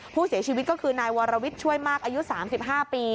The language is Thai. ผู้เสียชีวิตก็คือนายวรวิทย์ช่วยมากอายุ๓๕ปี